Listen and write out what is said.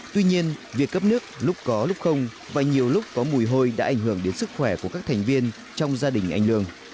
tuy nhiên việc cấp nước lúc có lúc không và nhiều lúc có mùi hôi đã ảnh hưởng đến sức khỏe của các thành viên trong gia đình anh lương